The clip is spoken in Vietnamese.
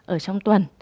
ở trong tuần